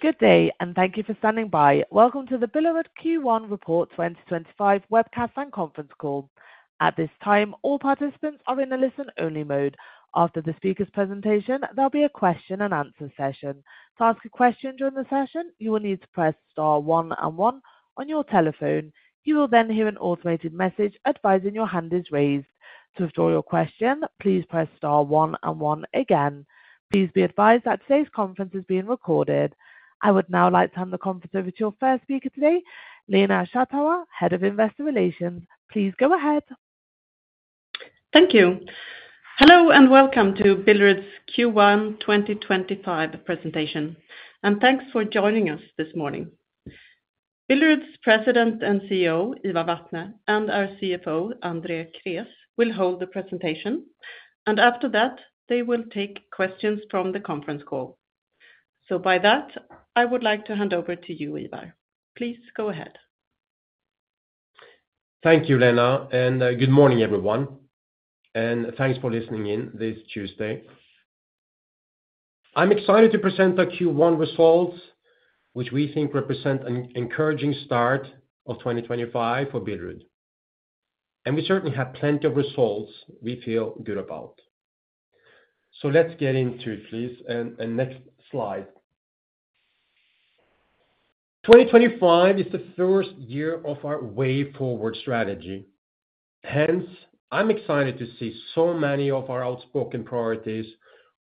Good day, and thank you for standing by. Welcome to the Billerud Q1 Report 2025 webcast and conference call. At this time, all participants are in the listen-only mode. After the speaker's presentation, there'll be a question-and-answer session. To ask a question during the session, you will need to press star one and one on your telephone. You will then hear an automated message advising your hand is raised. To withdraw your question, please press star one and one again. Please be advised that today's conference is being recorded. I would now like to hand the conference over to your first speaker today, Lena Schattauer, Head of Investor Relations. Please go ahead. Thank you. Hello and welcome to Billerud's Q1 2025 presentation, and thanks for joining us this morning. Billerud's President and CEO, Ivar Vatne, and our CFO, Andrei Krés, will hold the presentation, and after that, they will take questions from the conference call. By that, I would like to hand over to you, Ivar. Please go ahead. Thank you, Lena, and good morning, everyone, and thanks for listening in this Tuesday. I'm excited to present the Q1 results, which we think represent an encouraging start of 2025 for Billerud, and we certainly have plenty of results we feel good about. Let's get into it, please, and next slide. 2025 is the first year of our way forward strategy. Hence, I'm excited to see so many of our outspoken priorities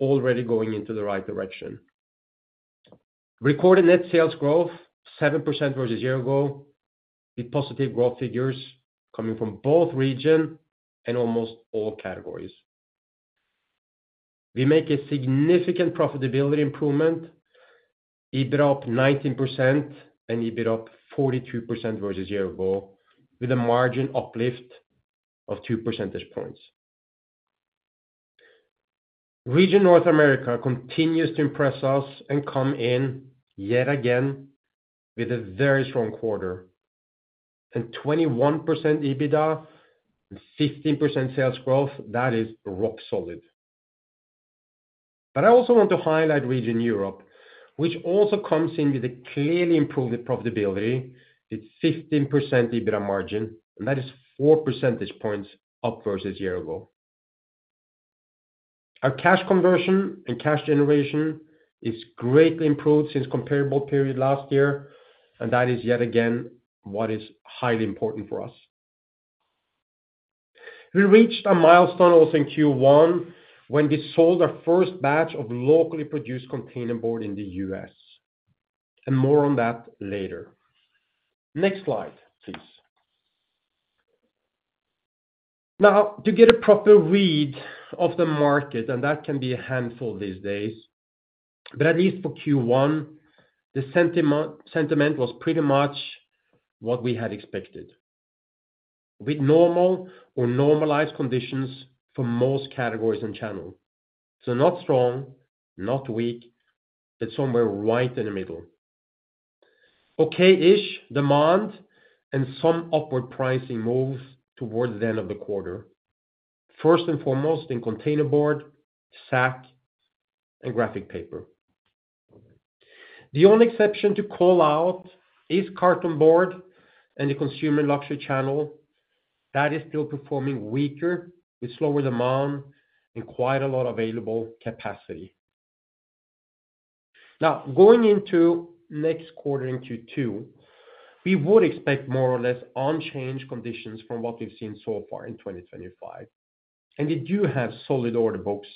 already going into the right direction. Recorded net sales growth, 7% versus year ago, with positive growth figures coming from both regions and almost all categories. We make a significant profitability improvement, EBITDA up 19% and EBITDA up 42% versus year ago, with a margin uplift of two percentage points. Region North America continues to impress us and come in yet again with a very strong quarter and 21% EBITDA and 15% sales growth. That is rock solid. I also want to highlight Region Europe, which also comes in with a clearly improved profitability with 15% EBITDA margin, and that is four percentage points up versus a year ago. Our cash conversion and cash generation is greatly improved since the comparable period last year, and that is yet again what is highly important for us. We reached a milestone also in Q1 when we sold our first batch of locally produced container board in the U.S., and more on that later. Next slide, please. Now, to get a proper read of the market, and that can be a handful these days, but at least for Q1, the sentiment was pretty much what we had expected with normal or normalized conditions for most categories and channels. Not strong, not weak, but somewhere right in the middle. Okay-ish demand and some upward pricing moves towards the end of the quarter, first and foremost in containerboard, sack and kraft paper, and graphic paper. The only exception to call out is carton board and the consumer luxury channel. That is still performing weaker with slower demand and quite a lot of available capacity. Now, going into next quarter into Q2, we would expect more or less unchanged conditions from what we've seen so far in 2025, and we do have solid order books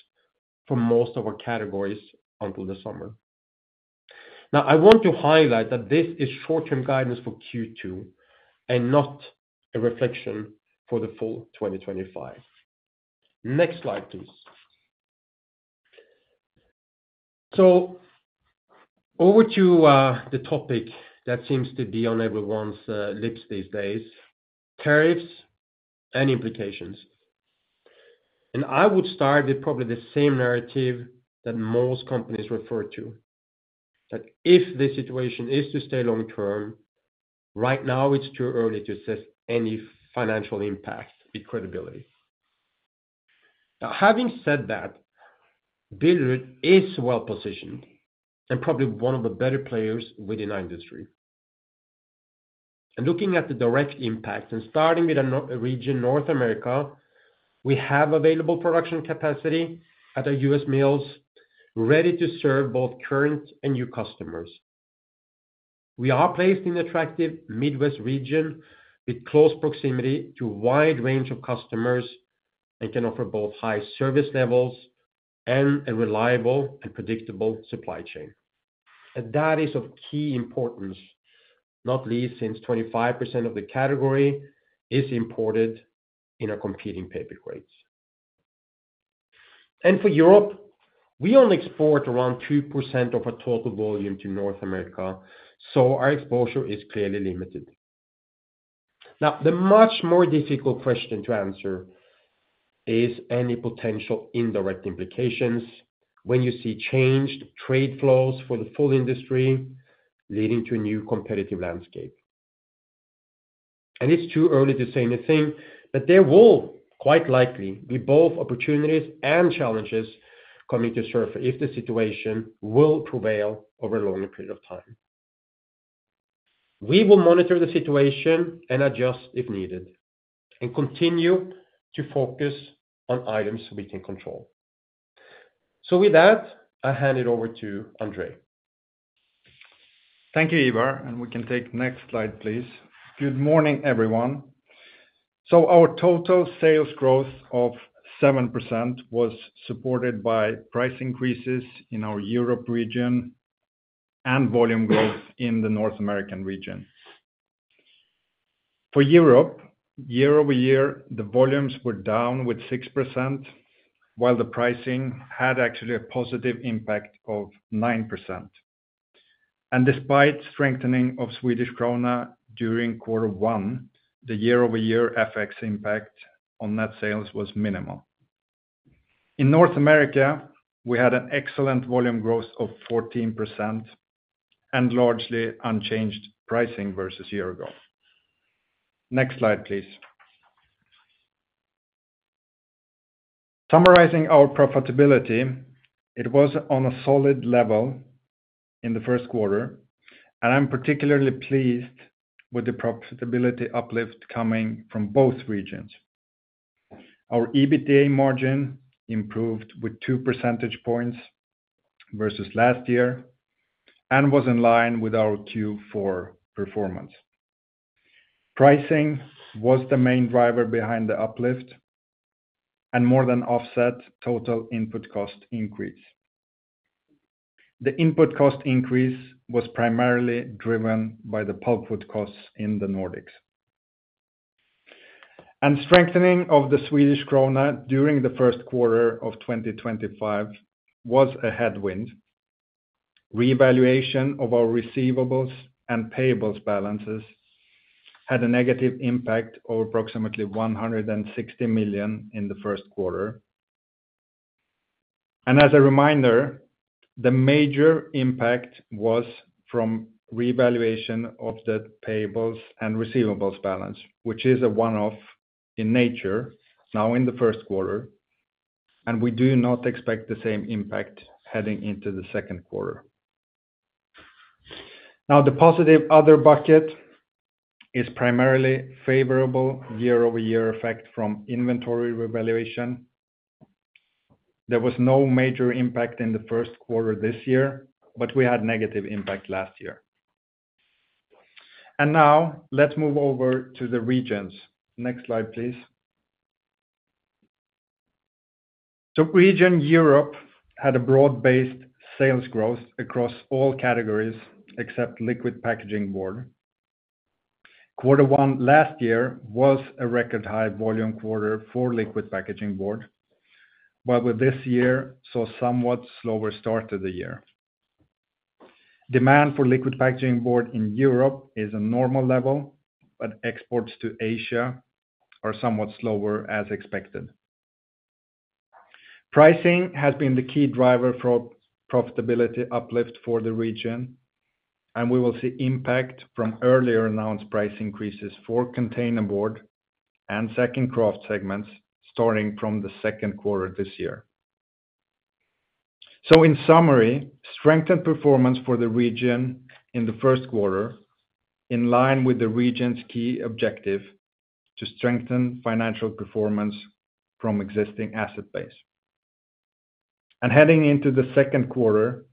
for most of our categories until the summer. I want to highlight that this is short-term guidance for Q2 and not a reflection for the full 2025. Next slide, please. Over to the topic that seems to be on everyone's lips these days, tariffs and implications. I would start with probably the same narrative that most companies refer to, that if the situation is to stay long-term, right now it's too early to assess any financial impact with credibility. Having said that, Billerud is well-positioned and probably one of the better players within our industry. Looking at the direct impact and starting with region North America, we have available production capacity at our U.S. mills ready to serve both current and new customers. We are placed in an attractive Midwest region with close proximity to a wide range of customers and can offer both high service levels and a reliable and predictable supply chain. That is of key importance, not least since 25% of the category is imported in our competing paper grades. For Europe, we only export around 2% of our total volume to North America, so our exposure is clearly limited. The much more difficult question to answer is any potential indirect implications when you see changed trade flows for the full industry leading to a new competitive landscape. It is too early to say anything, but there will quite likely be both opportunities and challenges coming to surface if the situation will prevail over a longer period of time. We will monitor the situation and adjust if needed and continue to focus on items we can control. With that, I hand it over to Andrei. Thank you, Ivar, and we can take next slide, please. Good morning, everyone. Our total sales growth of 7% was supported by price increases in our Europe region and volume growth in the North American region. For Europe, year over year, the volumes were down with 6%, while the pricing had actually a positive impact of 9%. Despite strengthening of Swedish krona during quarter one, the year-over-year FX impact on net sales was minimal. In North America, we had an excellent volume growth of 14% and largely unchanged pricing versus year ago. Next slide, please. Summarizing our profitability, it was on a solid level in the first quarter, and I'm particularly pleased with the profitability uplift coming from both regions. Our EBITDA margin improved with 2 percentage points versus last year and was in line with our Q4 performance. Pricing was the main driver behind the uplift and more than offset total input cost increase. The input cost increase was primarily driven by the pulpwood costs in the Nordics. Strengthening of the Swedish krona during the first quarter of 2025 was a headwind. Revaluation of our receivables and payables balances had a negative impact of approximately 160 million in the first quarter. As a reminder, the major impact was from revaluation of the payables and receivables balance, which is a one-off in nature now in the first quarter, and we do not expect the same impact heading into the second quarter. The positive other bucket is primarily favorable year-over-year effect from inventory revaluation. There was no major impact in the first quarter this year, but we had a negative impact last year. Now, let's move over to the regions. Next slide, please. Region Europe had a broad-based sales growth across all categories except liquid packaging board. Quarter one last year was a record high volume quarter for liquid packaging board, but this year saw a somewhat slower start to the year. Demand for liquid packaging board in Europe is at a normal level, but exports to Asia are somewhat slower as expected. Pricing has been the key driver for profitability uplift for the region, and we will see impact from earlier announced price increases for container board and sack kraft segments starting from the second quarter this year. In summary, strengthened performance for the region in the first quarter is in line with the region's key objective to strengthen financial performance from existing asset base. Heading into the second quarter,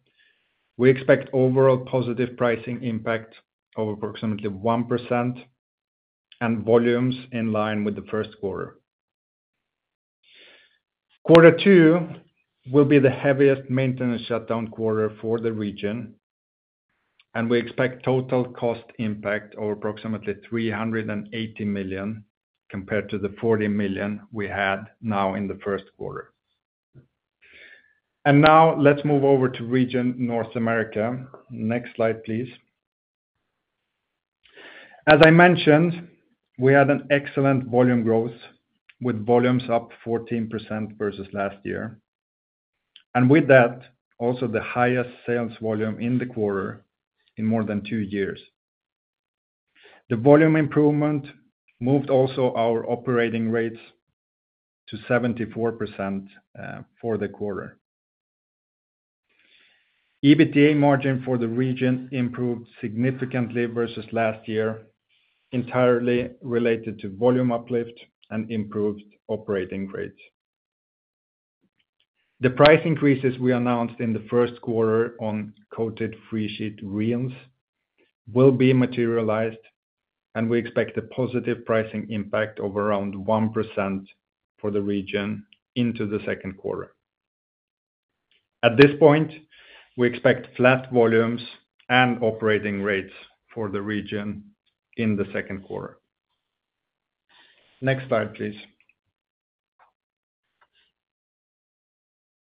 we expect overall positive pricing impact of approximately 1% and volumes in line with the first quarter. Quarter two will be the heaviest maintenance shutdown quarter for the region, and we expect total cost impact of approximately 380 million compared to the 40 million we had now in the first quarter. Now, let's move over to region North America. Next slide, please. As I mentioned, we had an excellent volume growth with volumes up 14% versus last year, and with that, also the highest sales volume in the quarter in more than two years. The volume improvement moved also our operating rates to 74% for the quarter. EBITDA margin for the region improved significantly versus last year, entirely related to volume uplift and improved operating rates. The price increases we announced in the first quarter on coated free sheet reels will be materialized, and we expect a positive pricing impact of around 1% for the region into the second quarter. At this point, we expect flat volumes and operating rates for the region in the second quarter. Next slide, please.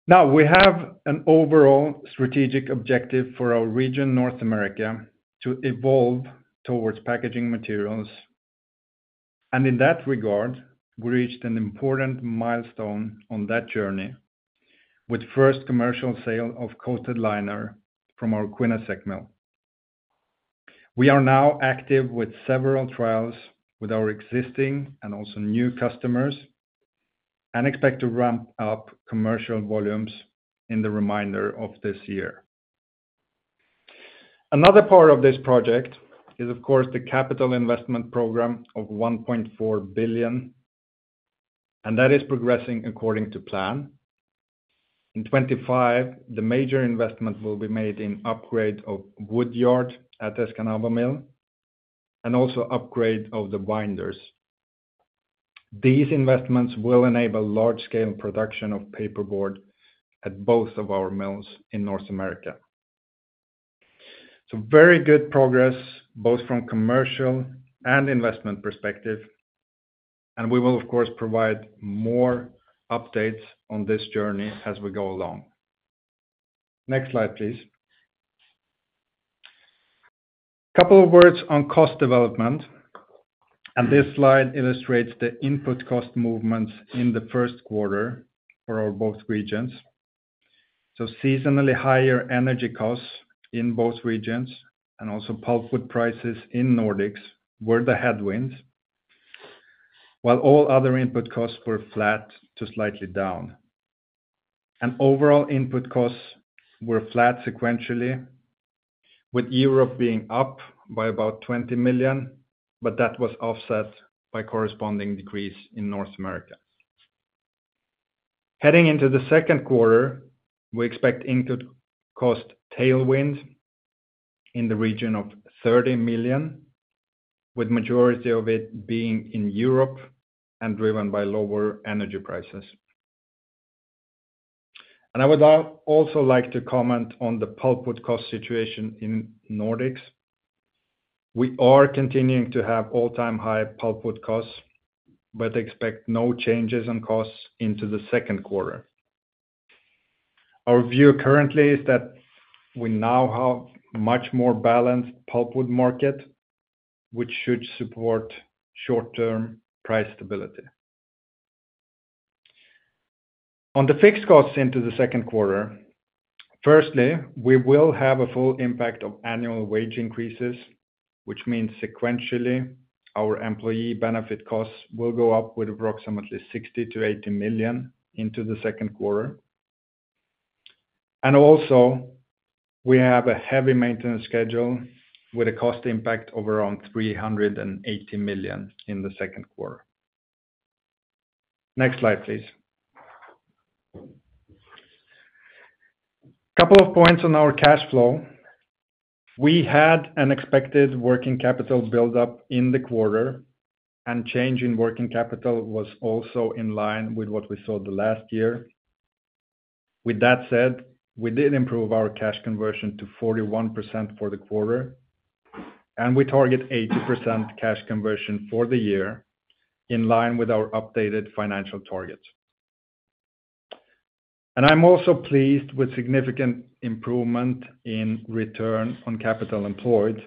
Now, we have an overall strategic objective for our region, North America, to evolve towards packaging materials, and in that regard, we reached an important milestone on that journey with first commercial sale of coated liner from our Quinnesec Mill. We are now active with several trials with our existing and also new customers and expect to ramp up commercial volumes in the remainder of this year. Another part of this project is, of course, the capital investment program of 1.4 billion, and that is progressing according to plan. In 2025, the major investment will be made in upgrade of wood yard at Escanaba Mill and also upgrade of the binders. These investments will enable large-scale production of paperboard at both of our mills in North America. Very good progress both from commercial and investment perspective, and we will, of course, provide more updates on this journey as we go along. Next slide, please. A couple of words on cost development, and this slide illustrates the input cost movements in the first quarter for our both regions. Seasonally higher energy costs in both regions and also pulpwood prices in Nordics were the headwinds, while all other input costs were flat to slightly down. Overall input costs were flat sequentially, with Europe being up by about 20 million, but that was offset by a corresponding decrease in North America. Heading into the second quarter, we expect input cost tailwinds in the region of 30 million, with the majority of it being in Europe and driven by lower energy prices. I would also like to comment on the pulpwood cost situation in Nordics. We are continuing to have all-time high pulpwood costs, but expect no changes in costs into the second quarter. Our view currently is that we now have a much more balanced pulpwood market, which should support short-term price stability. On the fixed costs into the second quarter, firstly, we will have a full impact of annual wage increases, which means sequentially our employee benefit costs will go up with approximately 60 million-80 million into the second quarter. Also, we have a heavy maintenance schedule with a cost impact of around 380 million in the second quarter. Next slide, please. A couple of points on our cash flow. We had an expected working capital buildup in the quarter, and change in working capital was also in line with what we saw the last year. With that said, we did improve our cash conversion to 41% for the quarter, and we target 80% cash conversion for the year in line with our updated financial target. I'm also pleased with significant improvement in return on capital employed,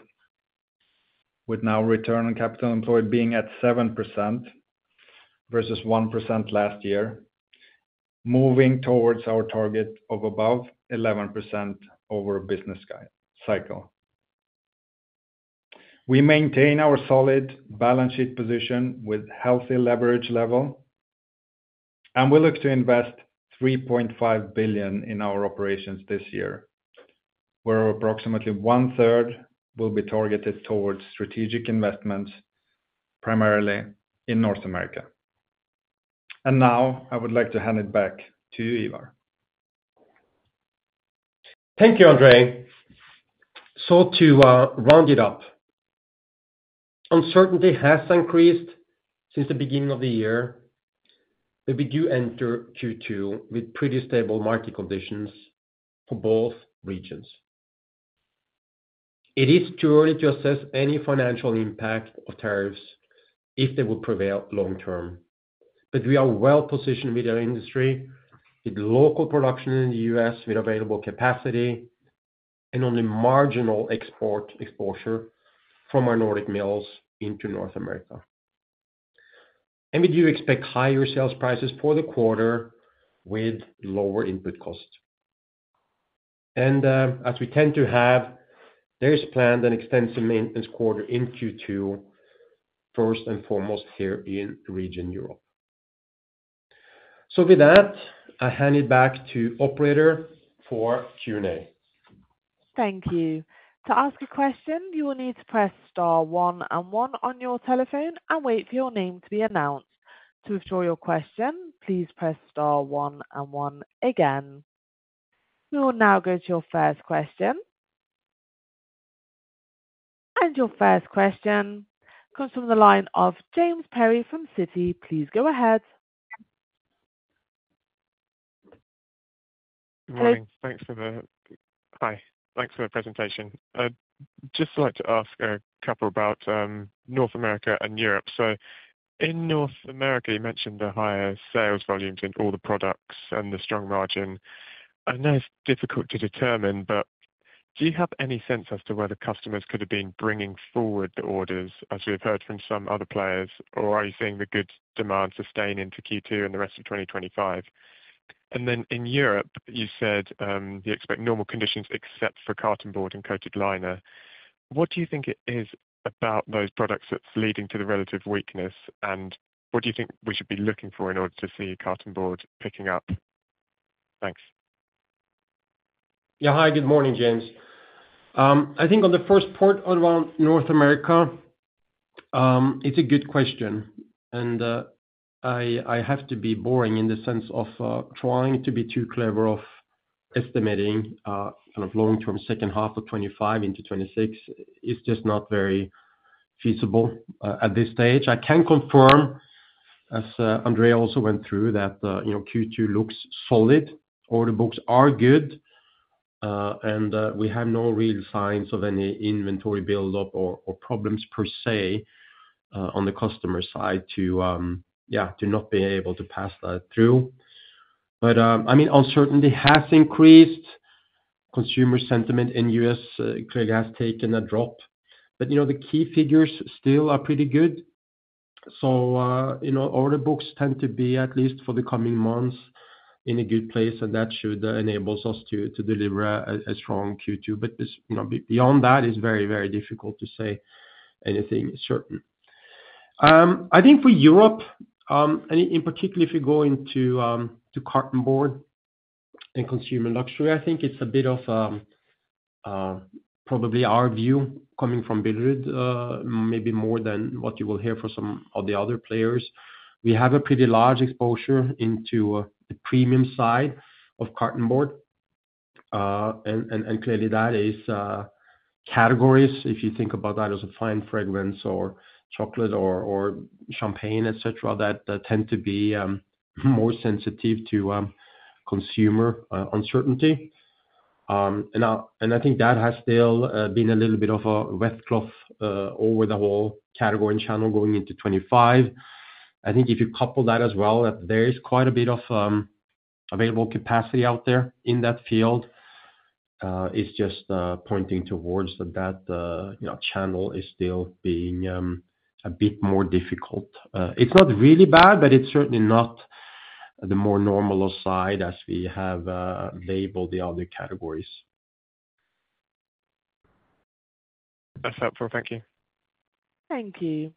with now return on capital employed being at 7% versus 1% last year, moving towards our target of above 11% over a business cycle. We maintain our solid balance sheet position with healthy leverage level, and we look to invest 3.5 billion in our operations this year, where approximately one-third will be targeted towards strategic investments primarily in North America. I would like to hand it back to you, Ivar. Thank you, Andrei. To round it up, uncertainty has increased since the beginning of the year, but we do enter Q2 with pretty stable market conditions for both regions. It is too early to assess any financial impact of tariffs if they will prevail long-term, but we are well-positioned with our industry, with local production in the US with available capacity, and only marginal export exposure from our Nordic mills into North America. We do expect higher sales prices for the quarter with lower input costs. As we tend to have, there is planned an extensive maintenance quarter in Q2, first and foremost here in region Europe. With that, I hand it back to operator for Q&A. Thank you. To ask a question, you will need to press star one and one on your telephone and wait for your name to be announced. To withdraw your question, please press star one and one again. We will now go to your first question. Your first question comes from the line of James Perry from Citi. Please go ahead. Hi, thanks for the presentation. I'd just like to ask a couple about North America and Europe. In North America, you mentioned the higher sales volumes in all the products and the strong margin. I know it's difficult to determine, but do you have any sense as to whether customers could have been bringing forward the orders as we've heard from some other players, or are you seeing the good demand sustain into Q2 and the rest of 2025? In Europe, you said you expect normal conditions except for carton board and coated liner. What do you think it is about those products that's leading to the relative weakness, and what do you think we should be looking for in order to see carton board picking up? Thanks. Yeah, hi, good morning, James. I think on the first part around North America, it's a good question, and I have to be boring in the sense of trying to be too clever of estimating kind of long-term second half of 2025 into 2026. It's just not very feasible at this stage. I can confirm, as Andrei also went through, that Q2 looks solid. Order books are good, and we have no real signs of any inventory buildup or problems per se on the customer side to, yeah, to not be able to pass that through. I mean, uncertainty has increased. Consumer sentiment in the U.S. clearly has taken a drop, but the key figures still are pretty good. Order books tend to be, at least for the coming months, in a good place, and that should enable us to deliver a strong Q2. Beyond that, it's very, very difficult to say anything certain. I think for Europe, and in particular, if you go into carton board and consumer luxury, I think it's a bit of probably our view coming from Billerud, maybe more than what you will hear from some of the other players. We have a pretty large exposure into the premium side of carton board, and clearly that is categories, if you think about that as a fine fragrance or chocolate or champagne, etc., that tend to be more sensitive to consumer uncertainty. I think that has still been a little bit of a wet cloth over the whole category and channel going into 2025. I think if you couple that as well, that there is quite a bit of available capacity out there in that field. It's just pointing towards that that channel is still being a bit more difficult. It's not really bad, but it's certainly not the more normal side as we have labeled the other categories. That's helpful. Thank you. Thank you.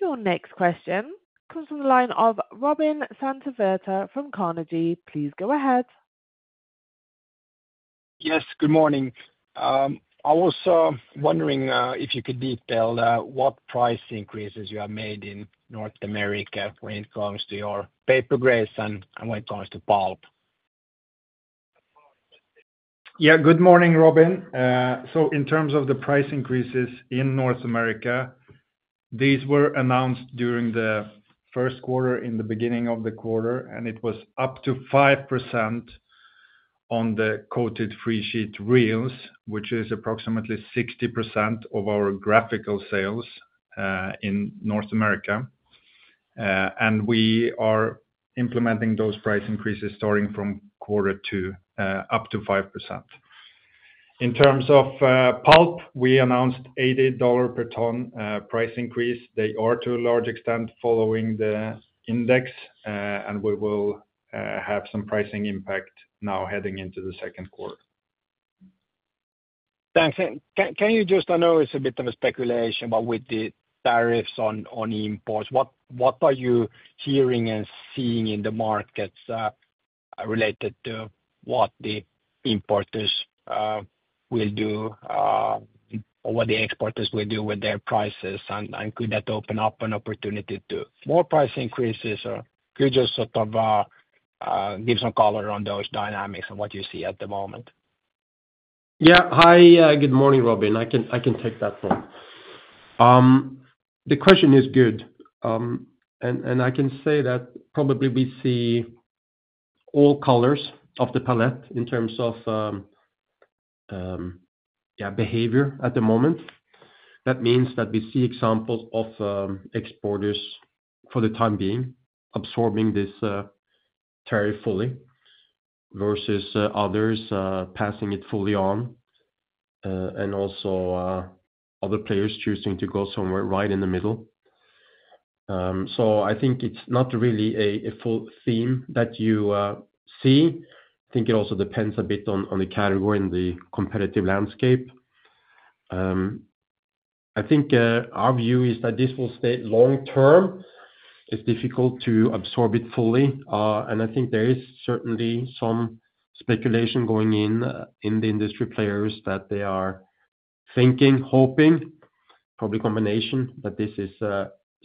Your next question comes from the line of Robin Santavirta from Carnegie. Please go ahead. Yes, good morning. I was wondering if you could detail what price increases you have made in North America when it comes to your paper grades and when it comes to pulp. Yeah, good morning, Robin. In terms of the price increases in North America, these were announced during the first quarter, in the beginning of the quarter, and it was up to 5% on the coated free sheet reels, which is approximately 60% of our graphical sales in North America. We are implementing those price increases starting from quarter two, up to 5%. In terms of pulp, we announced $80 per ton price increase. They are to a large extent following the index, and we will have some pricing impact now heading into the second quarter. Thanks. Can you just, I know it's a bit of a speculation, but with the tariffs on imports, what are you hearing and seeing in the markets related to what the importers will do, what the exporters will do with their prices? Could that open up an opportunity to more price increases, or could you just sort of give some color on those dynamics and what you see at the moment? Yeah, hi, good morning, Robin. I can take that one. The question is good, and I can say that probably we see all colors of the palette in terms of, yeah, behavior at the moment. That means that we see examples of exporters for the time being absorbing this tariff fully versus others passing it fully on, and also other players choosing to go somewhere right in the middle. I think it's not really a full theme that you see. I think it also depends a bit on the category and the competitive landscape. I think our view is that this will stay long-term. It's difficult to absorb it fully, and I think there is certainly some speculation going in in the industry players that they are thinking, hoping, probably a combination, that this is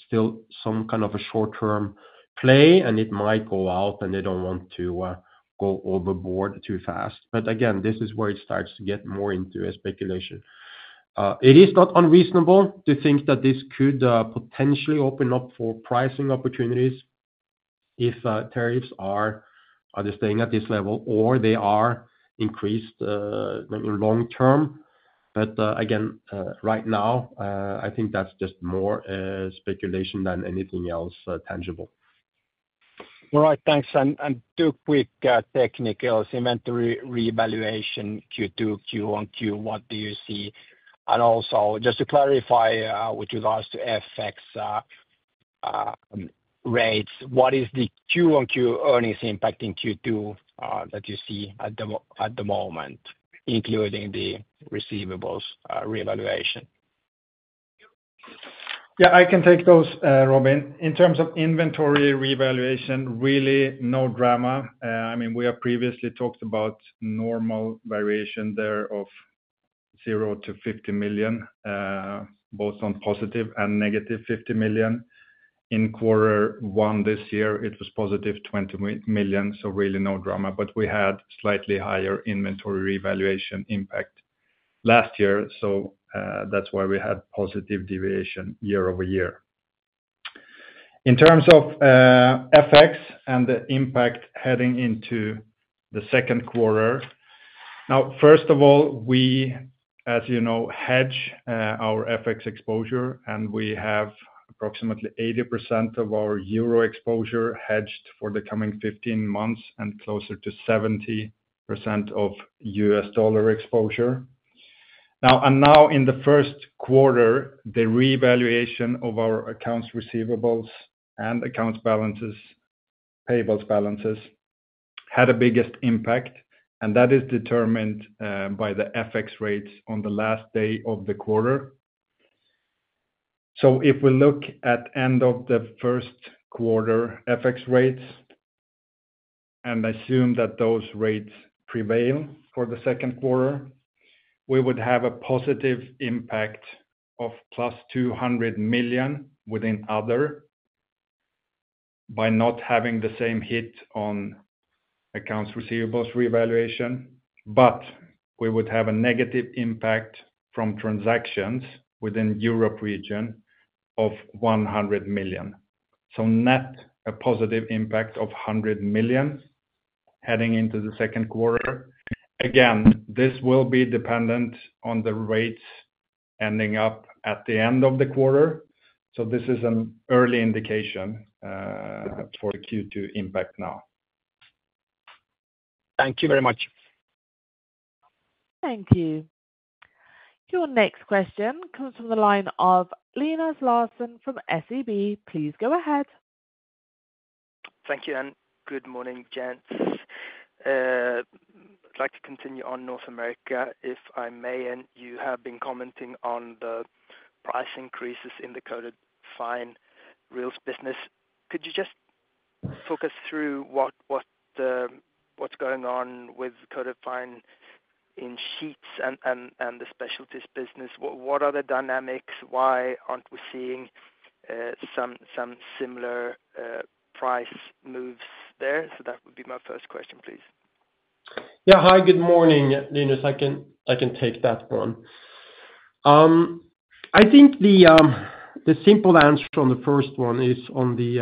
still some kind of a short-term play, and it might go out, and they do not want to go overboard too fast. Again, this is where it starts to get more into a speculation. It is not unreasonable to think that this could potentially open up for pricing opportunities if tariffs are staying at this level or they are increased in long-term. Again, right now, I think that's just more speculation than anything else tangible. All right, thanks. Two quick technicals: inventory revaluation, Q2, Q1, Q2, what do you see? Also, just to clarify, with respect to FX rates, what is the Q1, Q2 earnings impacting Q2 that you see at the moment, including the receivables revaluation? Yeah, I can take those, Robin. In terms of inventory revaluation, really no drama. I mean, we have previously talked about normal variation there of 0-50 million, both on positive and negative 50 million. In quarter one this year, it was positive 20 million, so really no drama, but we had slightly higher inventory revaluation impact last year, so that's why we had positive deviation year over year. In terms of FX and the impact heading into the second quarter, now, first of all, we, as you know, hedge our FX exposure, and we have approximately 80% of our euro exposure hedged for the coming 15 months and closer to 70% of US dollar exposure. Now, in the first quarter, the reevaluation of our accounts receivables and accounts payables balances had the biggest impact, and that is determined by the FX rates on the last day of the quarter. If we look at the end of the first quarter FX rates, and I assume that those rates prevail for the second quarter, we would have a positive impact of 200 million within other by not having the same hit on accounts receivables reevaluation, but we would have a negative impact from transactions within the Europe region of 100 million. Net, a positive impact of 100 million heading into the second quarter. Again, this will be dependent on the rates ending up at the end of the quarter, so this is an early indication for the Q2 impact now. Thank you very much. Thank you. Your next question comes from the line of Linus Larsson from SEB. Please go ahead. Thank you, and good morning, gents. I'd like to continue on North America, if I may, and you have been commenting on the price increases in the coated fine reels business. Could you just talk us through what's going on with coated fine in sheets and the specialties business? What are the dynamics? Why aren't we seeing some similar price moves there? That would be my first question, please. Yeah, hi, good morning, Linus. I can take that one. I think the simple answer on the first one is on the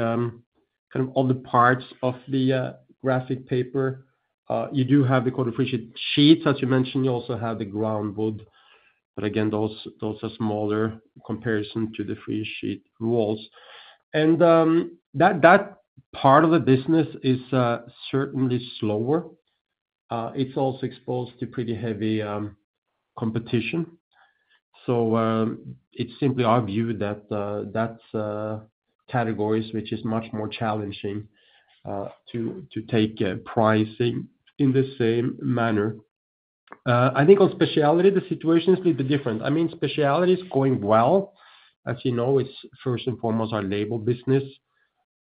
kind of other parts of the graphic paper. You do have the coated free sheet sheets, as you mentioned. You also have the groundwood, but again, those are smaller in comparison to the free sheet walls. And that part of the business is certainly slower. It's also exposed to pretty heavy competition. So it's simply our view that that category is which is much more challenging to take pricing in the same manner. I think on specialty, the situation is a little bit different. I mean, specialty is going well. As you know, it's first and foremost our label business.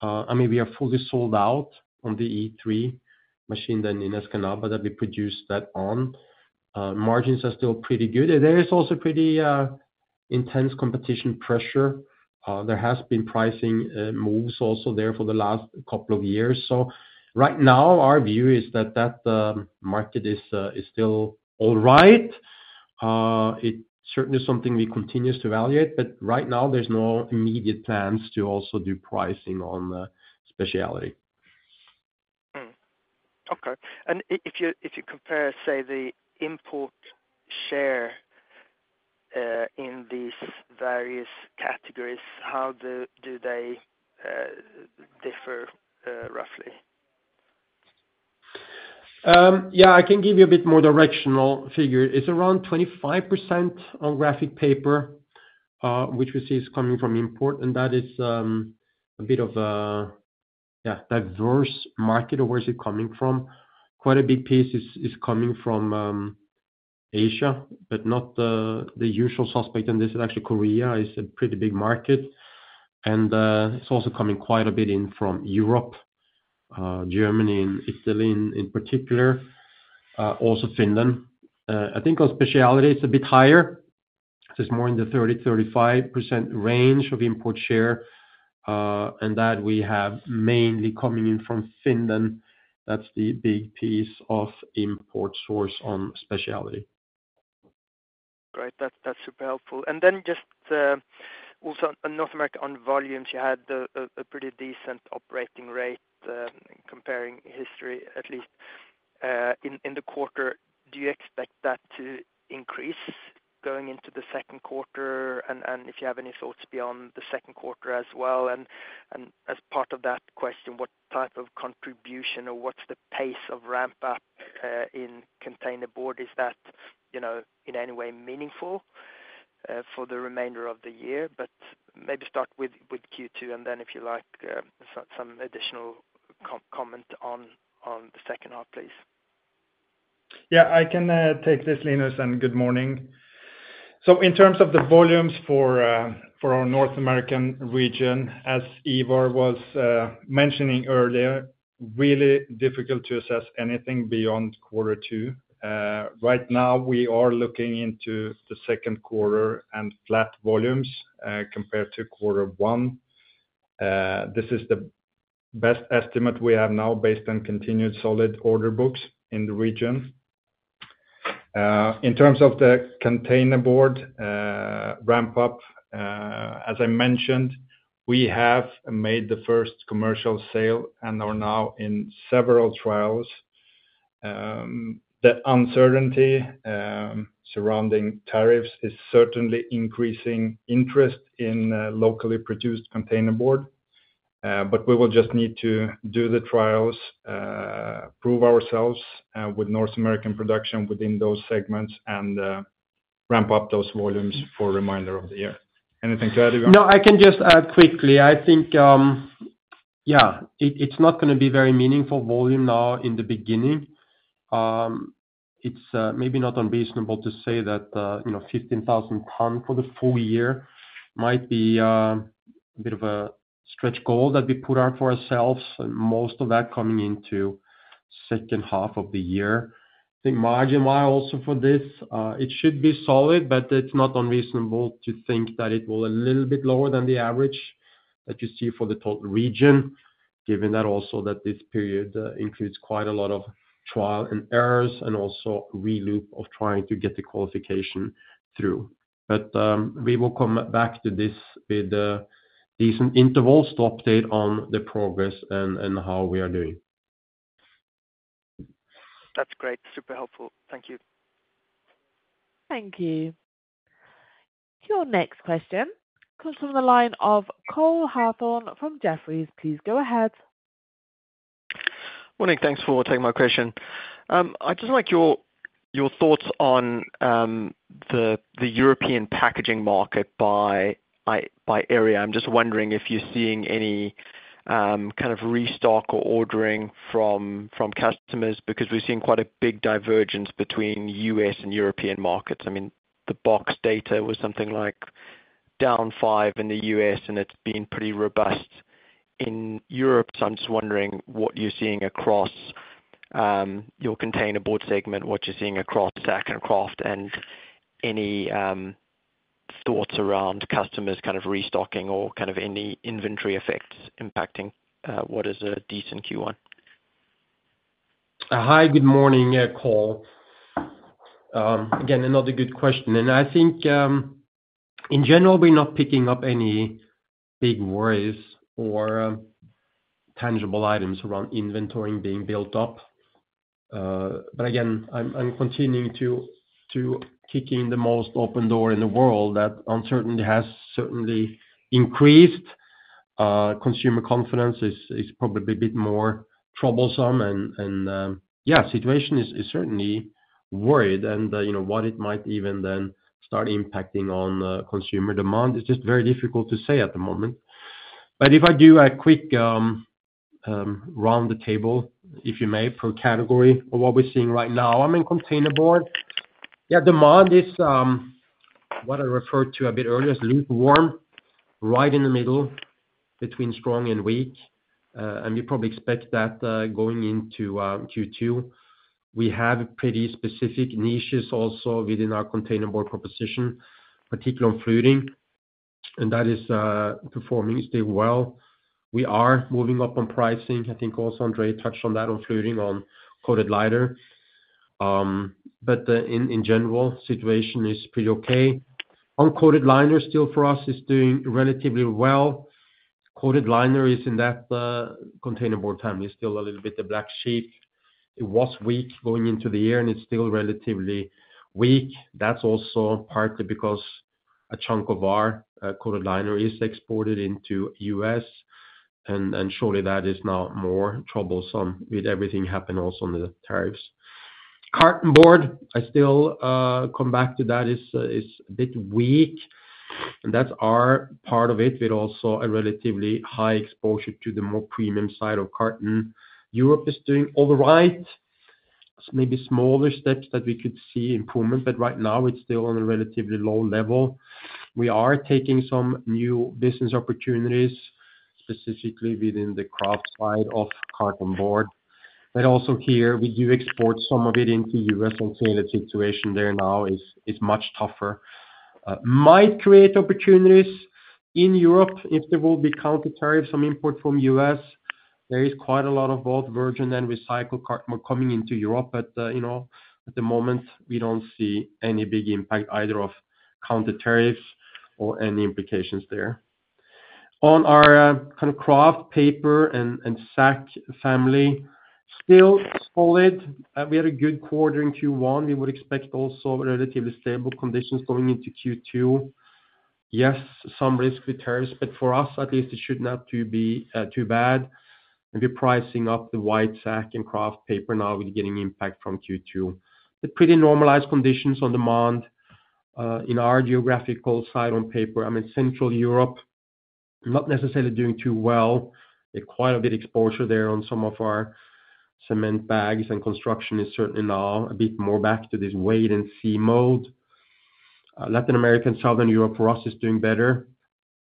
I mean, we are fully sold out on the E3 machine than in Escanaba that we produce that on. Margins are still pretty good. There is also pretty intense competition pressure. There have been pricing moves also there for the last couple of years. Right now, our view is that that market is still all right. It is certainly something we continue to evaluate, but right now, there are no immediate plans to also do pricing on specialty. Okay. If you compare, say, the import share in these various categories, how do they differ roughly? Yeah, I can give you a bit more directional figure. It's around 25% on graphic paper, which we see is coming from import, and that is a bit of a, yeah, diverse market of where is it coming from. Quite a big piece is coming from Asia, but not the usual suspect in this. Actually, Korea is a pretty big market, and it's also coming quite a bit in from Europe, Germany, and Italy in particular, also Finland. I think on specialty, it's a bit higher. It's more in the 30-35% range of import share, and that we have mainly coming in from Finland. That's the big piece of import source on specialty. Great. That's super helpful. Also, on North America on volumes, you had a pretty decent operating rate comparing history, at least in the quarter. Do you expect that to increase going into the second quarter? If you have any thoughts beyond the second quarter as well, and as part of that question, what type of contribution or what's the pace of ramp-up in container board? Is that in any way meaningful for the remainder of the year? Maybe start with Q2, and then if you like, some additional comment on the second half, please. Yeah, I can take this, Linus, and good morning. In terms of the volumes for our North American region, as Ivar was mentioning earlier, really difficult to assess anything beyond quarter two. Right now, we are looking into the second quarter and flat volumes compared to quarter one. This is the best estimate we have now based on continued solid order books in the region. In terms of the container board ramp-up, as I mentioned, we have made the first commercial sale and are now in several trials. The uncertainty surrounding tariffs is certainly increasing interest in locally produced container board, but we will just need to do the trials, prove ourselves with North American production within those segments, and ramp up those volumes for the remainder of the year. Anything to add, Ivar? No, I can just add quickly. I think, yeah, it's not going to be very meaningful volume now in the beginning. It's maybe not unreasonable to say that 15,000 ton for the full year might be a bit of a stretch goal that we put out for ourselves, and most of that coming into the second half of the year. I think margin-wise also for this, it should be solid, but it's not unreasonable to think that it will be a little bit lower than the average that you see for the total region, given that also that this period includes quite a lot of trial and errors and also a re-loop of trying to get the qualification through. We will come back to this with a decent interval to update on the progress and how we are doing. That's great. Super helpful. Thank you. Thank you. Your next question comes from the line of Cole Hathorn from Jefferies. Please go ahead. Morning. Thanks for taking my question. I'd just like your thoughts on the European packaging market by area. I'm just wondering if you're seeing any kind of restock or ordering from customers because we've seen quite a big divergence between US and European markets. I mean, the box data was something like down 5% in the US, and it's been pretty robust in Europe. I'm just wondering what you're seeing across your container board segment, what you're seeing across sack and kraft, and any thoughts around customers kind of restocking or kind of any inventory effects impacting what is a decent Q1? Hi, good morning, Cole. Again, another good question. I think in general, we're not picking up any big worries or tangible items around inventory being built up. Again, I'm continuing to kick in the most open door in the world. That uncertainty has certainly increased. Consumer confidence is probably a bit more troublesome. Yeah, the situation is certainly worried, and what it might even then start impacting on consumer demand is just very difficult to say at the moment. If I do a quick round the table, if you may, per category of what we're seeing right now, I'm in container board. Yeah, demand is what I referred to a bit earlier as lukewarm, right in the middle between strong and weak. You probably expect that going into Q2. We have pretty specific niches also within our containerboard proposition, particularly on fluting, and that is performing still well. We are moving up on pricing. I think also Andrei touched on that on fluting, on coated liner. In general, the situation is pretty okay. Uncoated liner still for us is doing relatively well. Coated liner is in that containerboard time. It is still a little bit a black sheep. It was weak going into the year, and it is still relatively weak. That is also partly because a chunk of our coated liner is exported into the U.S., and surely that is now more troublesome with everything happening also on the tariffs. Cartonboard, I still come back to that, is a bit weak. That is our part of it with also a relatively high exposure to the more premium side of carton. Europe is doing all right. It's maybe smaller steps that we could see improvement, but right now, it's still on a relatively low level. We are taking some new business opportunities, specifically within the kraft side of Cartonboard. Also here, we do export some of it into the U.S., and seeing the situation there now is much tougher. Might create opportunities in Europe if there will be counter tariffs on import from the U.S. There is quite a lot of both virgin and recycled carton board coming into Europe, but at the moment, we do not see any big impact either of counter tariffs or any implications there. On our kind of kraft paper and sack family, still solid. We had a good quarter in Q1. We would expect also relatively stable conditions going into Q2. Yes, some risk with tariffs, but for us, at least, it should not be too bad. We're pricing up the white sack and kraft paper now with getting impact from Q2. Pretty normalized conditions on demand in our geographical side on paper. I mean, Central Europe not necessarily doing too well. Quite a bit of exposure there on some of our cement bags, and construction is certainly now a bit more back to this wait-and-see mode. Latin America and Southern Europe for us is doing better.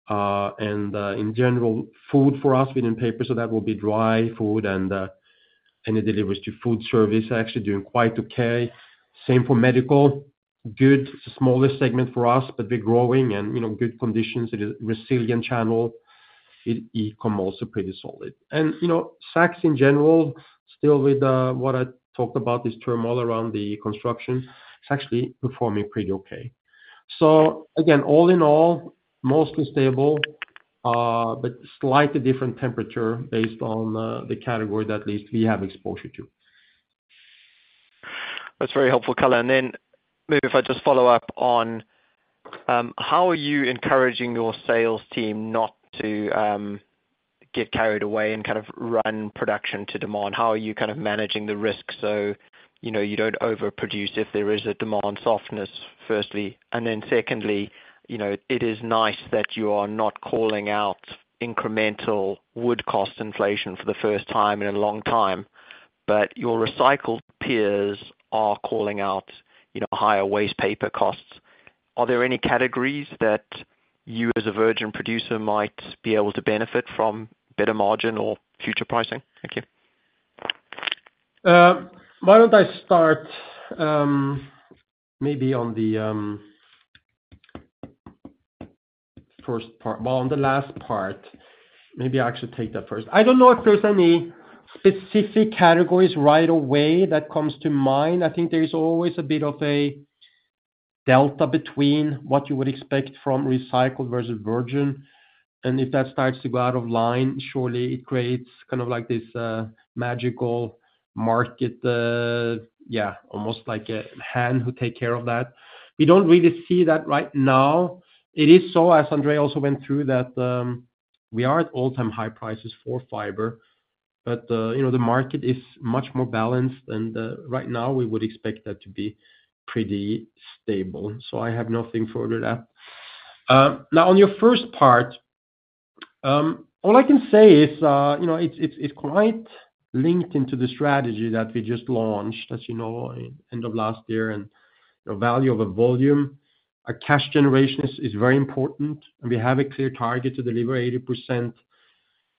In general, food for us within paper, so that will be dry food and any deliveries to food service, actually doing quite okay. Same for medical. Good. It's a smaller segment for us, but we're growing and good conditions. It is a resilient channel. E-commerce is pretty solid. Sacks in general, still with what I talked about this term all around the construction, it's actually performing pretty okay. All in all, mostly stable, but slightly different temperature based on the category that at least we have exposure to. That's very helpful, Cole. Maybe if I just follow up on how are you encouraging your sales team not to get carried away and kind of run production to demand? How are you kind of managing the risk so you do not overproduce if there is a demand softness, firstly? Secondly, it is nice that you are not calling out incremental wood cost inflation for the first time in a long time, but your recycled peers are calling out higher waste paper costs. Are there any categories that you as a virgin producer might be able to benefit from better margin or future pricing? Thank you. Why do not I start maybe on the first part? On the last part, maybe I should take that first. I do not know if there are any specific categories right away that come to mind. I think there is always a bit of a delta between what you would expect from recycled versus virgin. If that starts to go out of line, surely it creates kind of like this magical market, yeah, almost like a hand who takes care of that. We do not really see that right now. It is so, as Andrei also went through, that we are at all-time high prices for fiber, but the market is much more balanced, and right now, we would expect that to be pretty stable. I have nothing further to add. Now, on your first part, all I can say is it's quite linked into the strategy that we just launched, as you know, at the end of last year. The value of a volume, a cash generation is very important, and we have a clear target to deliver 80%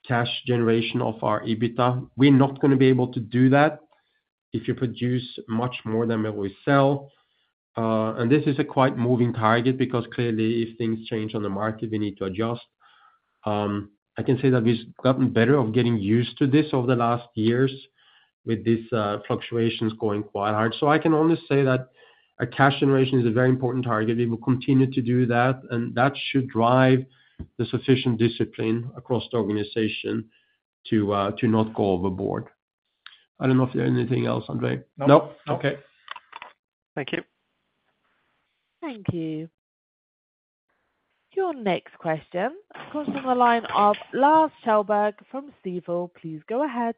cash generation of our EBITDA. We're not going to be able to do that if you produce much more than what we sell. This is a quite moving target because clearly, if things change on the market, we need to adjust. I can say that we've gotten better at getting used to this over the last years with these fluctuations going quite hard. I can only say that cash generation is a very important target. We will continue to do that, and that should drive the sufficient discipline across the organization to not go overboard. I don't know if there's anything else, Andrei. No. No? Okay. Thank you. Thank you. Your next question, of course, on the line of Lars Thunberg from Swedbank. Please go ahead.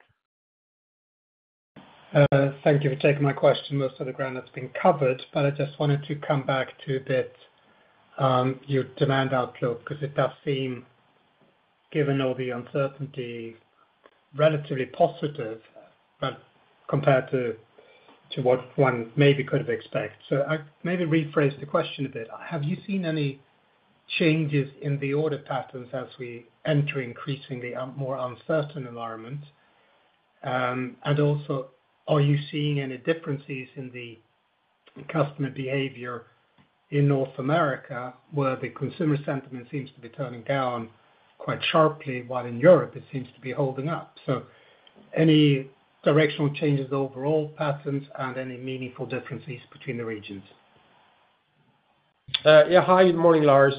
Thank you for taking my question. Most of the ground has been covered, but I just wanted to come back to a bit your demand outlook because it does seem, given all the uncertainty, relatively positive compared to what one maybe could have expected. I maybe rephrase the question a bit. Have you seen any changes in the order patterns as we enter increasingly a more uncertain environment? Also, are you seeing any differences in the customer behavior in North America where the consumer sentiment seems to be turning down quite sharply while in Europe it seems to be holding up? Any directional changes overall patterns and any meaningful differences between the regions? Yeah. Hi, good morning, Lars.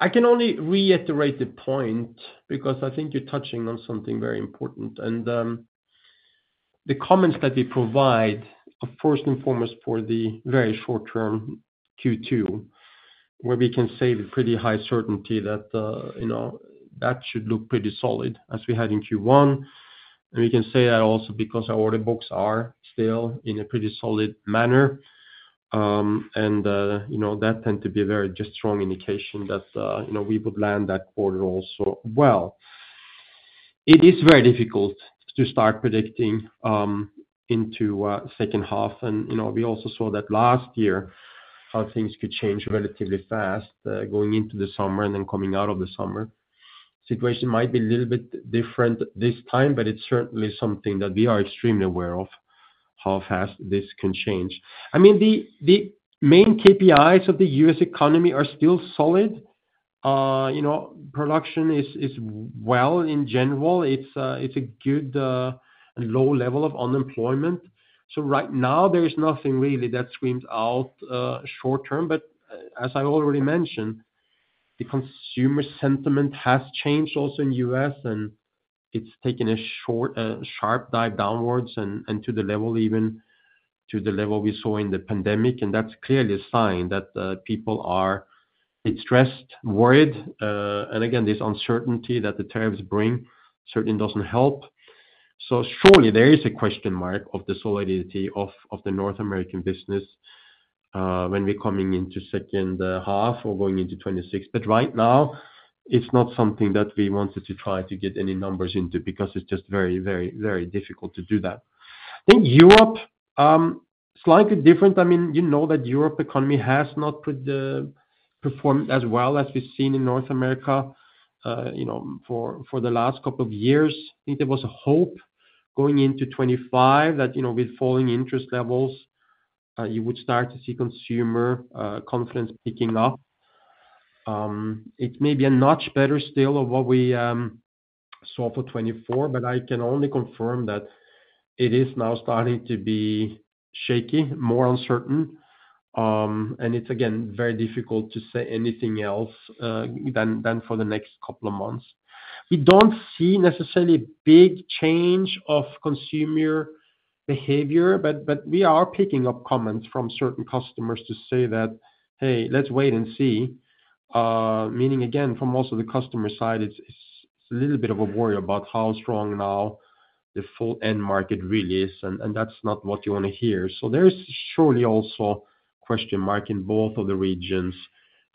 I can only reiterate the point because I think you're touching on something very important. The comments that we provide are first and foremost for the very short-term Q2, where we can say with pretty high certainty that should look pretty solid as we had in Q1. We can say that also because our order books are still in a pretty solid manner. That tends to be a very strong indication that we would land that quarter also well. It is very difficult to start predicting into the second half. We also saw last year how things could change relatively fast going into the summer and then coming out of the summer. The situation might be a little bit different this time, but it is certainly something that we are extremely aware of, how fast this can change. I mean, the main KPIs of the U.S. economy are still solid. Production is well in general. It's a good and low level of unemployment. Right now, there is nothing really that screams out short-term. As I already mentioned, the consumer sentiment has changed also in the U.S., and it's taken a sharp dive downwards to the level, even to the level we saw in the pandemic. That's clearly a sign that people are distressed, worried. This uncertainty that the tariffs bring certainly does not help. Surely there is a question mark of the solidity of the North American business when we're coming into the second half or going into 2026. Right now, it's not something that we wanted to try to get any numbers into because it's just very, very, very difficult to do that. I think Europe is slightly different. I mean, you know that the Europe economy has not performed as well as we've seen in North America for the last couple of years. I think there was a hope going into 2025 that with falling interest levels, you would start to see consumer confidence picking up. It's maybe a notch better still of what we saw for 2024, but I can only confirm that it is now starting to be shaky, more uncertain. It's, again, very difficult to say anything else than for the next couple of months. We don't see necessarily a big change of consumer behavior, but we are picking up comments from certain customers to say that, "Hey, let's wait and see." Meaning, again, from also the customer side, it's a little bit of a worry about how strong now the full-end market really is, and that's not what you want to hear. There is surely also a question mark in both of the regions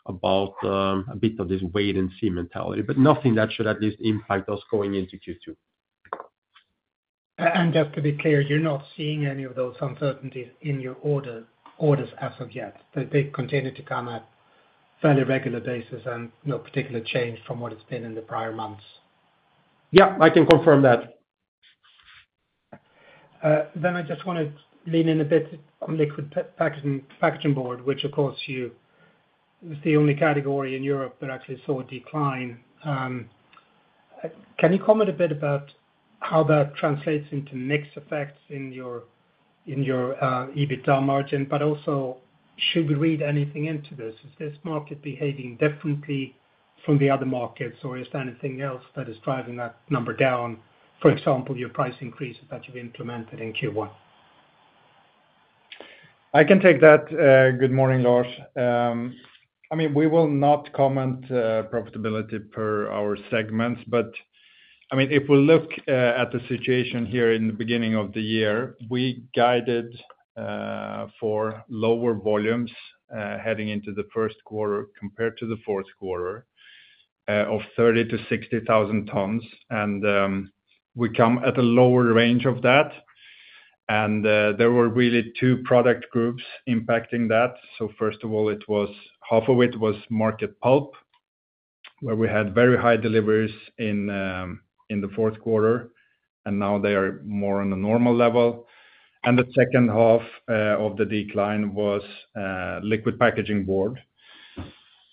about a bit of this wait-and-see mentality, but nothing that should at least impact us going into Q2. Just to be clear, you're not seeing any of those uncertainties in your orders as of yet? They continue to come at a fairly regular basis and no particular change from what it's been in the prior months? Yeah, I can confirm that. I just want to lean in a bit on liquid packaging board, which, of course, is the only category in Europe that actually saw a decline. Can you comment a bit about how that translates into mixed effects in your EBITDA margin, but also should we read anything into this? Is this market behaving differently from the other markets, or is there anything else that is driving that number down? For example, your price increases that you've implemented in Q1. I can take that. Good morning, Lars. I mean, we will not comment on profitability per our segments, but I mean, if we look at the situation here in the beginning of the year, we guided for lower volumes heading into the first quarter compared to the fourth quarter of 30,000-60,000 tons. We come at a lower range of that. There were really two product groups impacting that. First of all, half of it was market pulp, where we had very high deliveries in the fourth quarter, and now they are more on a normal level. The second half of the decline was liquid packaging board.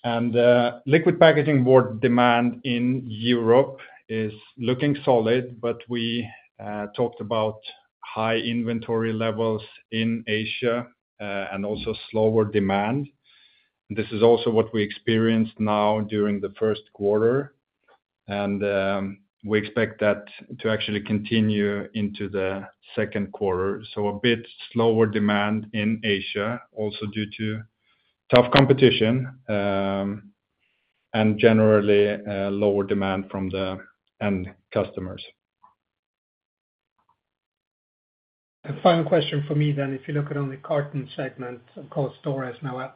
Liquid packaging board demand in Europe is looking solid, but we talked about high inventory levels in Asia and also slower demand. This is also what we experienced now during the first quarter. We expect that to actually continue into the second quarter. A bit slower demand in Asia also due to tough competition and generally lower demand from the end customers. A final question for me then. If you look at only carton segment, of course, DRO is now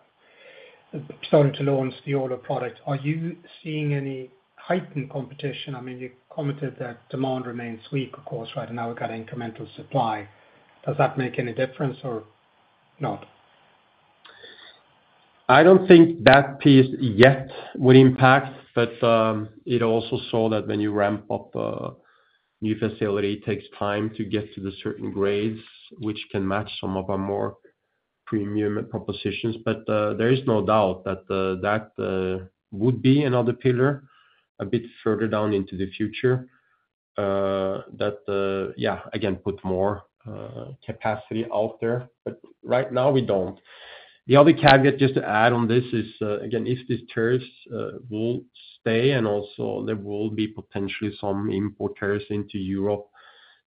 starting to launch the order product. Are you seeing any heightened competition? I mean, you commented that demand remains weak, of course, right now. We've got incremental supply. Does that make any difference or not? I do not think that piece yet would impact, but it also saw that when you ramp up a new facility, it takes time to get to the certain grades, which can match some of our more premium propositions. There is no doubt that that would be another pillar a bit further down into the future that, yeah, again, puts more capacity out there. Right now, we do not. The only caveat just to add on this is, again, if these tariffs will stay and also there will be potentially some import tariffs into Europe,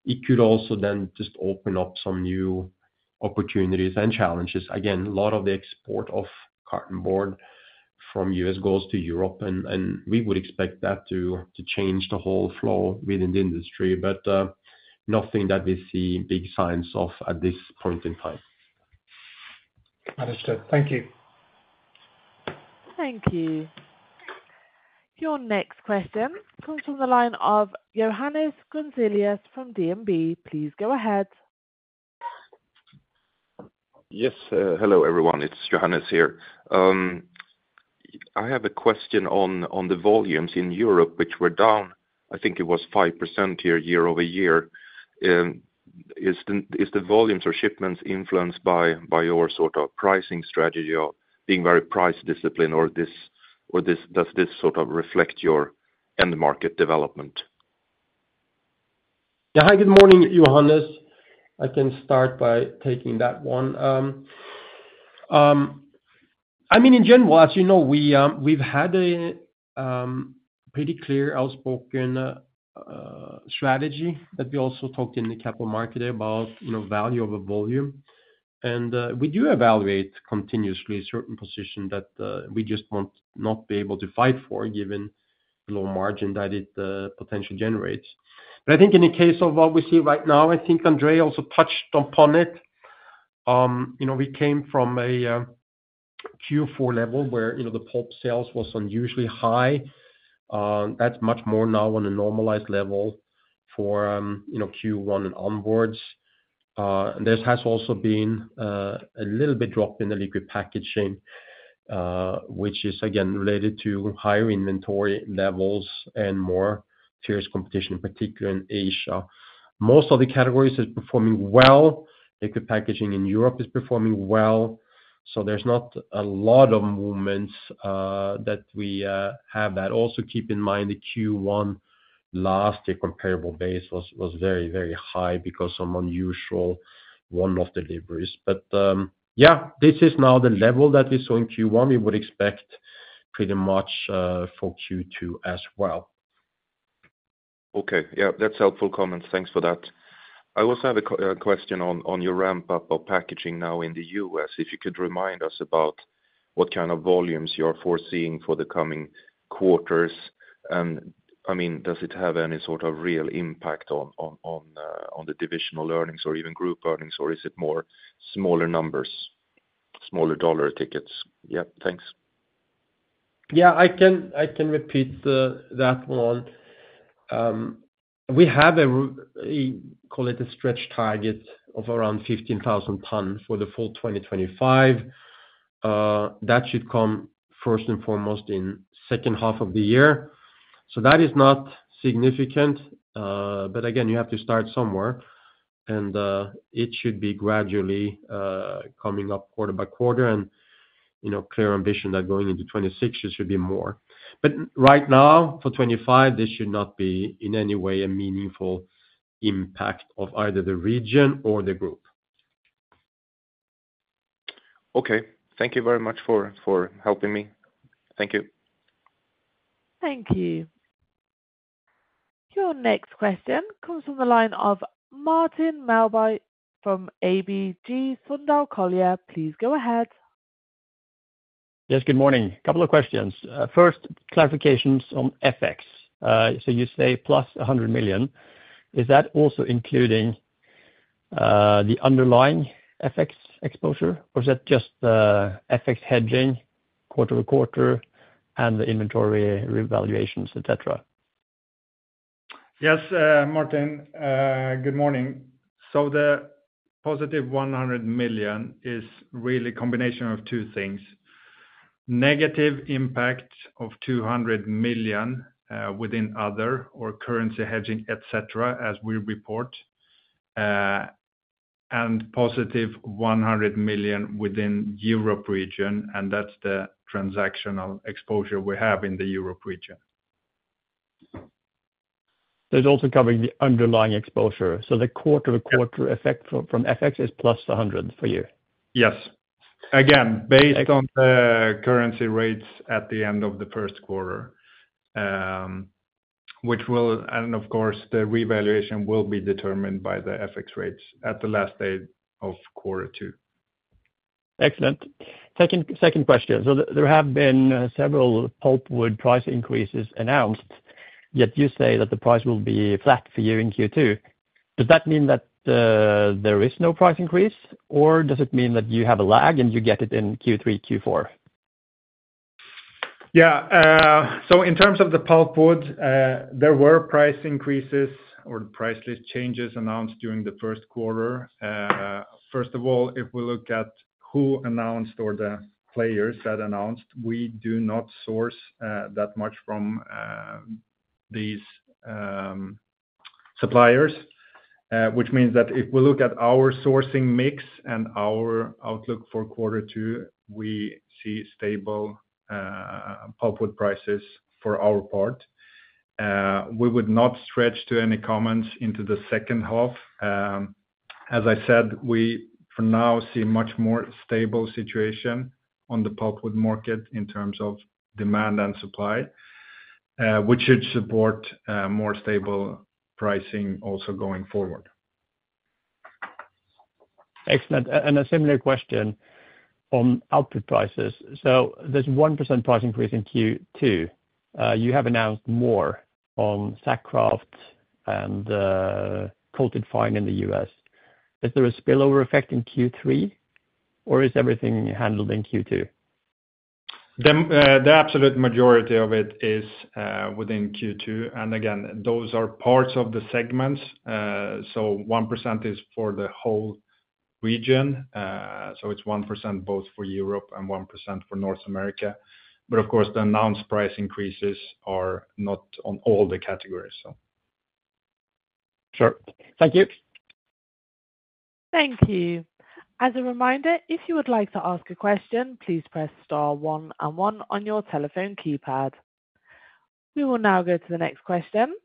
it could also then just open up some new opportunities and challenges. Again, a lot of the export of carton board from the U.S. goes to Europe, and we would expect that to change the whole flow within the industry, but nothing that we see big signs of at this point in time. Understood. Thank you. Thank you. Your next question comes from the line of Johannes Grunselius from DNB. Please go ahead. Yes. Hello, everyone. It's Johannes here. I have a question on the volumes in Europe, which were down. I think it was 5% year over year. Is the volumes or shipments influenced by your sort of pricing strategy or being very price disciplined, or does this sort of reflect your end market development? Yeah. Hi, good morning, Johannes. I can start by taking that one. I mean, in general, as you know, we've had a pretty clear, outspoken strategy that we also talked in the capital market about value over volume. We do evaluate continuously certain positions that we just will not be able to fight for given the low margin that it potentially generates. I think in the case of what we see right now, I think Andrei also touched upon it. We came from a Q4 level where the pulp sales was unusually high. That is much more now on a normalized level for Q1 and onwards. There has also been a little bit drop in the liquid packaging, which is, again, related to higher inventory levels and more fierce competition, particularly in Asia. Most of the categories are performing well. Liquid packaging in Europe is performing well. There is not a lot of movements that we have. Also keep in mind the Q1 last year, comparable base, was very, very high because of unusual one-off deliveries. This is now the level that we saw in Q1. We would expect pretty much for Q2 as well. Okay. Yeah. That's helpful comments. Thanks for that. I also have a question on your ramp-up of packaging now in the U.S. If you could remind us about what kind of volumes you are foreseeing for the coming quarters. I mean, does it have any sort of real impact on the divisional earnings or even group earnings, or is it more smaller numbers, smaller dollar tickets? Yeah. Thanks. Yeah. I can repeat that one. We have a, call it a stretch target of around 15,000 tons for the full 2025. That should come first and foremost in the second half of the year. That is not significant. Again, you have to start somewhere, and it should be gradually coming up quarter by quarter. A clear ambition that going into 2026, it should be more. Right now, for 2025, this should not be in any way a meaningful impact of either the region or the group. Okay. Thank you very much for helping me. Thank you. Thank you. Your next question comes from the line of Martin Maltby from ABG Sundal Collier. Please go ahead. Yes. Good morning. A couple of questions. First, clarifications on FX. You say plus 100 million. Is that also including the underlying FX exposure, or is that just FX hedging quarter to quarter and the inventory revaluations, etc.? Yes, Martin. Good morning. The positive 100 million is really a combination of two things: negative impact of 200 million within other or currency hedging, etc., as we report, and positive 100 million within the Europe region. That is the transactional exposure we have in the Europe region. There's also covering the underlying exposure. The quarter to quarter effect from FX is plus 100 for you? Yes. Again, based on the currency rates at the end of the first quarter, which will, and of course, the revaluation will be determined by the FX rates at the last day of quarter two. Excellent. Second question. There have been several pulpwood price increases announced, yet you say that the price will be flat for you in Q2. Does that mean that there is no price increase, or does it mean that you have a lag and you get it in Q3, Q4? Yeah. In terms of the pulpwood, there were price increases or price changes announced during the first quarter. First of all, if we look at who announced or the players that announced, we do not source that much from these suppliers, which means that if we look at our sourcing mix and our outlook for quarter two, we see stable pulpwood prices for our part. We would not stretch to any comments into the second half. As I said, we for now see a much more stable situation on the pulpwood market in terms of demand and supply, which should support more stable pricing also going forward. Excellent. A similar question on output prices. There is a 1% price increase in Q2. You have announced more on sack and kraft and coated fine in the US. Is there a spillover effect in Q3, or is everything handled in Q2? The absolute majority of it is within Q2. Again, those are parts of the segments. One percent is for the whole region. It is 1% both for Europe and 1% for North America. Of course, the announced price increases are not on all the categories. Sure. Thank you. Thank you. As a reminder, if you would like to ask a question, please press star one and one on your telephone keypad. We will now go to the next question.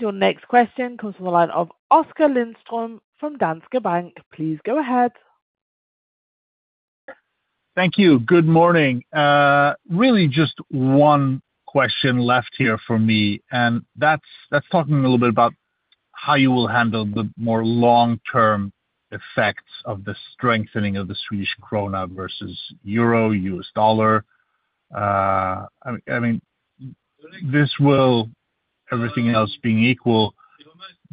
Your next question comes from the line of Oscar Lindström from Danske Bank. Please go ahead. Thank you. Good morning. Really just one question left here for me. That is talking a little bit about how you will handle the more long-term effects of the strengthening of the Swedish krona versus euro, US dollar. I mean, this will, everything else being equal,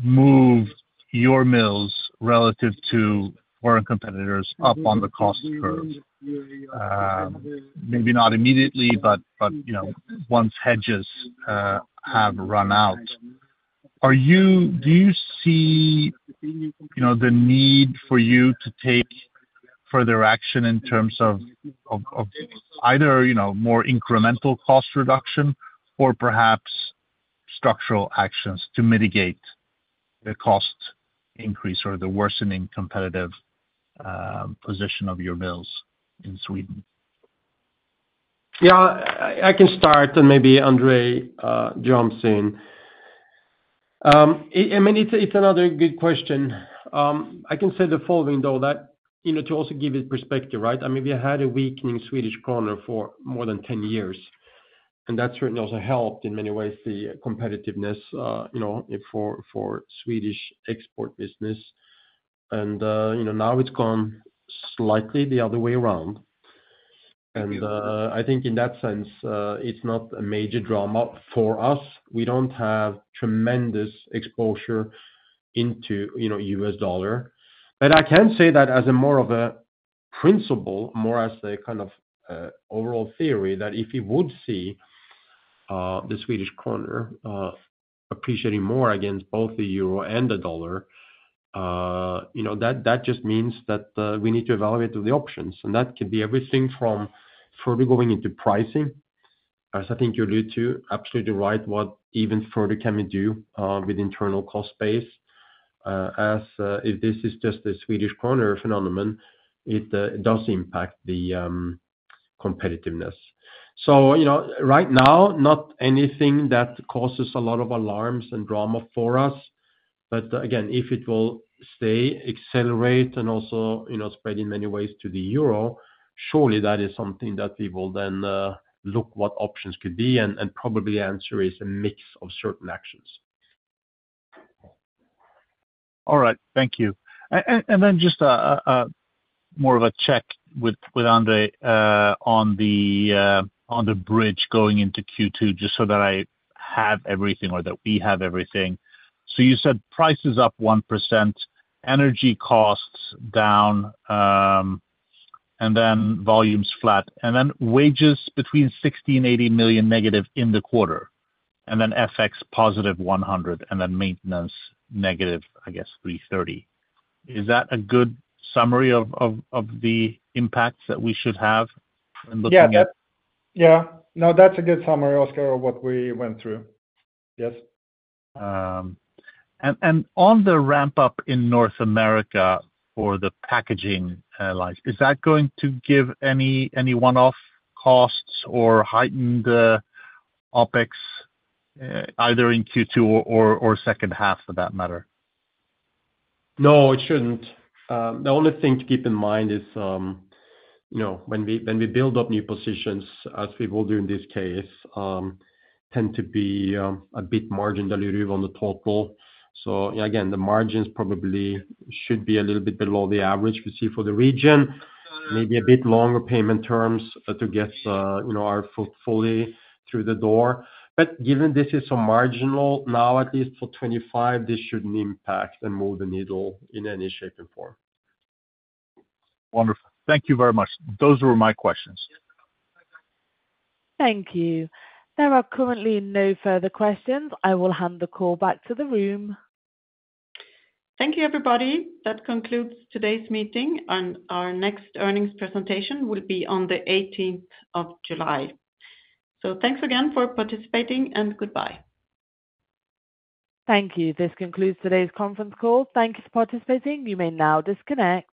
move your mills relative to foreign competitors up on the cost curve. Maybe not immediately, but once hedges have run out. Do you see the need for you to take further action in terms of either more incremental cost reduction or perhaps structural actions to mitigate the cost increase or the worsening competitive position of your mills in Sweden? Yeah. I can start, and maybe Andrei jumps in. I mean, it's another good question. I can say the following, though, to also give it perspective, right? I mean, we had a weakening Swedish krona for more than 10 years, and that certainly also helped in many ways the competitiveness for Swedish export business. Now it's gone slightly the other way around. I think in that sense, it's not a major drama for us. We don't have tremendous exposure into US dollar. I can say that as more of a principle, more as a kind of overall theory, that if we would see the Swedish krona appreciating more against both the euro and the dollar, that just means that we need to evaluate the options. That could be everything from further going into pricing, as I think you alluded to, absolutely right, what even further can we do with internal cost base. If this is just the Swedish krona phenomenon, it does impact the competitiveness. Right now, not anything that causes a lot of alarms and drama for us. Again, if it will stay, accelerate, and also spread in many ways to the euro, surely that is something that we will then look at what options could be. Probably the answer is a mix of certain actions. All right. Thank you. Just more of a check with Andrei on the bridge going into Q2, just so that I have everything or that we have everything. You said prices up 1%, energy costs down, and then volumes flat. Wages between 60 million-80 million negative in the quarter, and then FX positive 100 million, and then maintenance negative, I guess, 330 million. Is that a good summary of the impacts that we should have in looking at? Yeah. Yeah. No, that's a good summary, Oscar, of what we went through. Yes. On the ramp-up in North America for the packaging lines, is that going to give any one-off costs or heightened OpEx either in Q2 or second half for that matter? No, it shouldn't. The only thing to keep in mind is when we build up new positions, as we will do in this case, tend to be a bit margin delivery on the total. The margins probably should be a little bit below the average we see for the region, maybe a bit longer payment terms to get our portfolio through the door. Given this is so marginal now, at least for 2025, this shouldn't impact and move the needle in any shape and form. Wonderful. Thank you very much. Those were my questions. Thank you. There are currently no further questions. I will hand the call back to the room. Thank you, everybody. That concludes today's meeting. Our next earnings presentation will be on the 18th of July. Thanks again for participating and goodbye. Thank you. This concludes today's conference call. Thank you for participating. You may now disconnect.